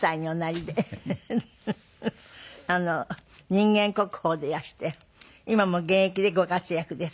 人間国宝でいらして今も現役でご活躍です。